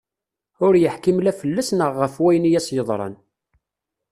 Ur yeḥkim la fell-as neɣ ɣef wayen i as-yeḍran.